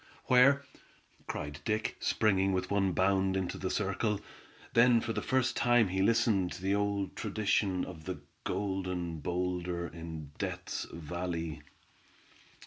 "Where?" cried Dick, springing with one bound into the circle. Then for the first time he listened to the old tradition of the Golden Boulder in Death's Valley.